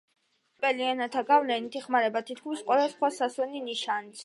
ევროპულ ენათა გავლენით იხმარება თითქმის ყველა სხვა სასვენი ნიშანიც.